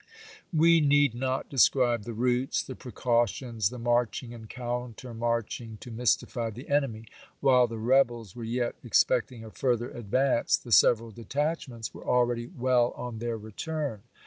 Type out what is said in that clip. We need not describe the routes, the precautions, the marching and countermarching to mystify the enemy. While the rebels were yet expecting a fur ther advance, the several detachments were already well on their retm n.